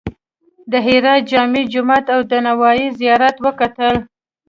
د هرات جامع جومات او د نوایي زیارت وکتل.